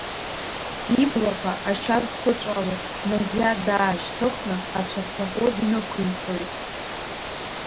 Иблақәа ашьа рхыҵәало, Назиа даашьҭыхны ацәарҭаӷәы днықәиҵоит.